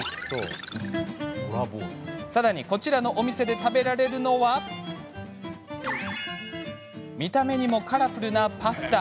さらに、こちらのお店で食べられるのは見た目にもカラフルなパスタ。